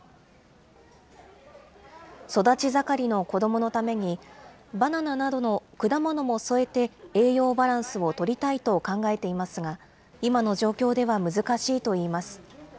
育ち盛りの子どものために、バナナなどの果物も添えて、栄養バランスを取りたいと考えていますが、今の状況では難しいといいます。